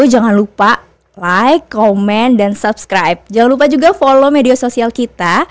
jangan lupa juga follow media sosial kita